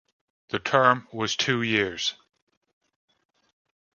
The term was two years.